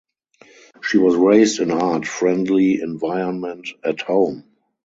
She was raised in art friendly environment at home.